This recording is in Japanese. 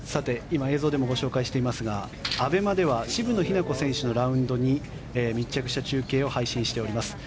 今、映像でもご紹介していますがＡＢＥＭＡでは渋野日向子選手のラウンドに密着した中継を配信しています。